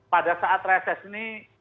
pada saat reses ini